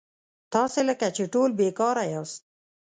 تاسي لکه چې ټول بېکاره یاست.